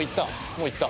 もういった。